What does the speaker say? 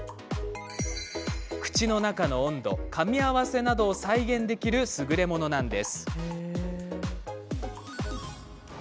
口の中の温度や歯のかみ合わせなどを再現できるすぐれものなんです。